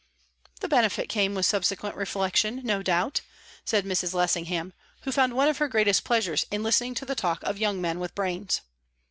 "The benefit came with subsequent reflection, no doubt," said Mrs. Lessingham, who found one of her greatest pleasures in listening to the talk of young men with brains.